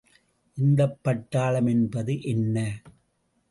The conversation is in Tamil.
இந்தப் பட்டாளம் என்பது என்ன?